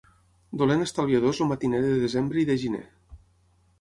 Dolent estalviador és el matiner de desembre i de gener.